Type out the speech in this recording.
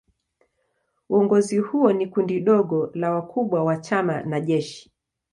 Uongozi huo ni kundi dogo la wakubwa wa chama na jeshi.